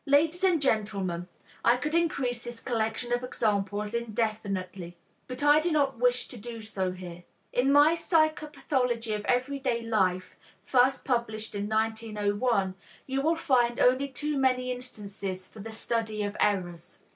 Ladies and gentlemen, I could increase this collection of examples indefinitely. But I do not wish to do so here. In my Psychopathology of Everyday Life (first published in 1901), you will find only too many instances for the study of errors.